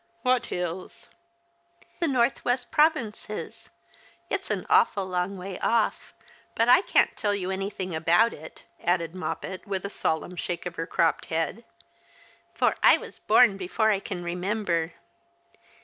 "What hills?" " The north west provinces. It's an awful long way off — but I can't tell you anything about it," added Moppet, with a solemn shake of her cropped head, " for I was born before I can remember.